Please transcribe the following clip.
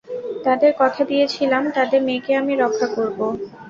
তাদের কথা দিয়েছিলাম, তাদের মেয়েকে আমি রক্ষা করবো।